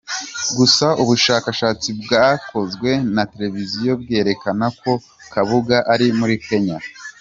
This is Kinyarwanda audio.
Gusa ubushakashatsi bwakozwe na televiziyo bwerekana ko Kabuga ari muri Kenya.